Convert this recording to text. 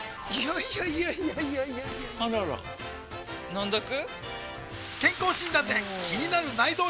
いやいやいやいやあらら飲んどく？